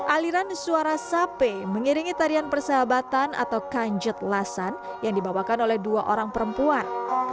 aliran suara sape mengiringi tarian persahabatan atau kanjet lasan yang dibawakan oleh dua orang perempuan